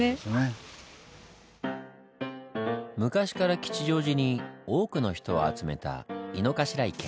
昔から吉祥寺に多くの人を集めた井の頭池。